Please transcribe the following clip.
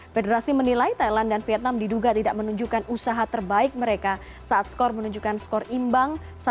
federasi menilai thailand dan vietnam diduga tidak menunjukkan usaha terbaik mereka saat skor menunjukkan skor imbang satu satu